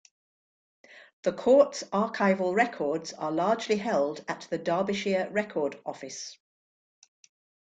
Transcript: The Courts' archival records are largely held at the Derbyshire Record Office.